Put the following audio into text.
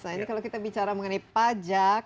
nah ini kalau kita bicara mengenai pajak